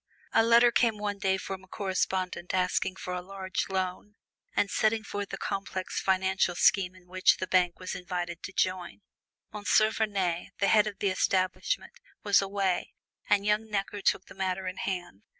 A letter came one day from a correspondent asking for a large loan, and setting forth a complex financial scheme in which the bank was invited to join. M. Vernet, the head of the establishment, was away, and young Necker took the matter in hand.